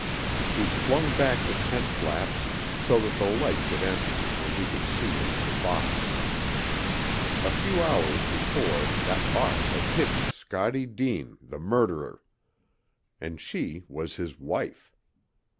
He flung back the tent flaps so that the light could enter and he could see into the box. A few hours before that box had hidden Scottie Deane, the murderer. And she was his wife!